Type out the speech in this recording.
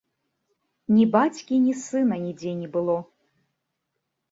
Ні бацькі, ні сына нідзе не было.